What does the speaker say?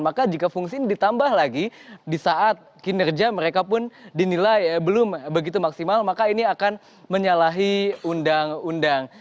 maka jika fungsi ini ditambah lagi di saat kinerja mereka pun dinilai belum begitu maksimal maka ini akan menyalahi undang undang